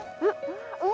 うわ！